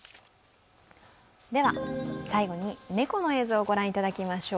では最後に猫の映像を御覧いただきましょう。